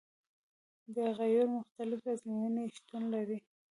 د قیرو مختلفې ازموینې شتون لري